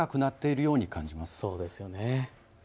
そうですよね。